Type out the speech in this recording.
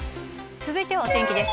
続いてはお天気です。